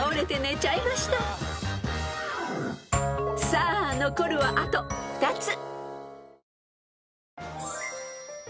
［さあ残るはあと２つ］